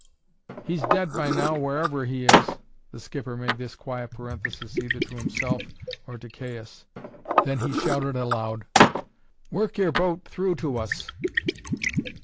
"He's dead by now, wherever he is." The skipper made this quiet parenthesis either to himself or to Caius. Then he shouted aloud: "Work your boat through to us!"